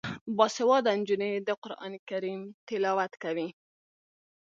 باسواده نجونې د قران کریم تلاوت کوي.